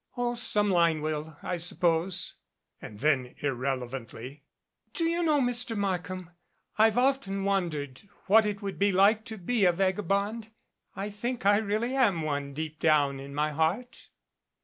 Oh, some line will, I suppose." And then irrelevantly, "Do you know, Mr. Markham, I've often 107 MADCAP wondered what it would be like to be a vagabond ? I think I really am one deep down in my heart."